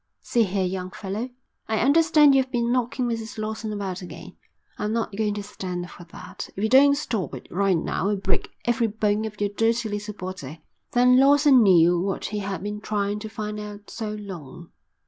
"See here, young fellow, I understand you've been knocking Mrs Lawson about again. I'm not going to stand for that. If you don't stop it right now I'll break every bone of your dirty little body." Then Lawson knew what he had been trying to find out so long.